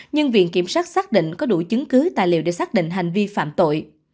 nhưng viện kiểm sát xác định có đủ chứng cứ tài liệu để xác định hành vi phạm tội